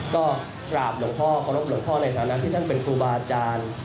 ก็กราบหลวงพ่อเคารพหลวงพ่อในฐานะที่ท่านเป็นครูบาอาจารย์